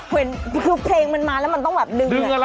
เห็นคือเพลงมันมาแล้วมันต้องแบบดึง